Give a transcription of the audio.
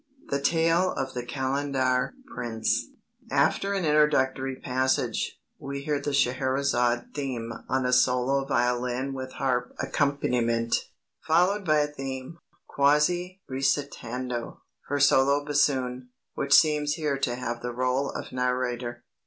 THE TALE OF THE KALENDAR PRINCE After an introductory passage, we hear the Scheherazade theme on a solo violin with harp accompaniment, followed by a theme, quasi recitando, for solo bassoon, which seems here to have the rôle of narrator.